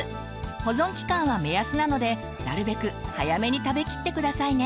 保存期間は目安なのでなるべく早めに食べきって下さいね。